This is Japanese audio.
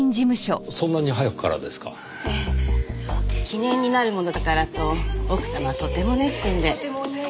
記念になるものだからと奥様はとても熱心で。